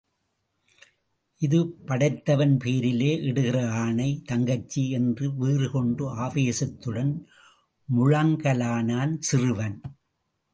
இது படைத்தவன் பேரிலே இடுற ஆணை, தங்கச்சி! என்று வீறு கொண்டு ஆவேசத்துடன் முழங்கலானான் சிறுவன்.